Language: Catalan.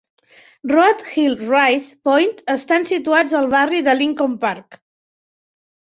Goat Hill i Rice's Point estan situats al barri de Lincoln Park.